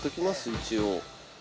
一応。